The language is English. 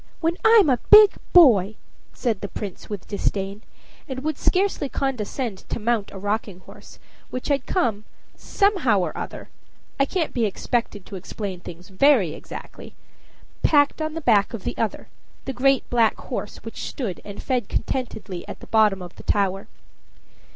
when I'm a big boy," said the Prince, with disdain, and would scarcely condescend to mount a rocking horse which had come, somehow or other, I can't be expected to explain things very exactly, packed on the back of the other, the great black horse, which stood and fed contentedly at the bottom of the tower.